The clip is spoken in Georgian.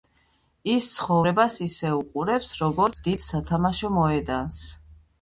ის ცხოვრებას ისე უყურებს, როგორც დიდ სათამაშო მოედანს.